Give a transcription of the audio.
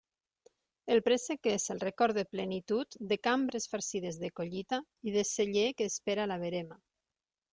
El préssec és el record de plenitud de cambres farcides de collita i de celler que espera la verema.